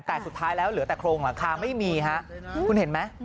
แต่สุดท้ายแล้วเหลือแต่โครงหลังคาไม่มีฮะคุณเห็นไหม